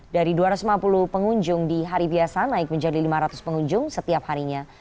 dari dua ratus lima puluh pengunjung di hari biasa naik menjadi lima ratus pengunjung setiap harinya